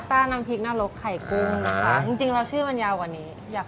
จริงเราชื่อมันยาวกว่านี้